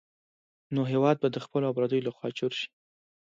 نو هېواد به د خپلو او پردیو لخوا چور شي.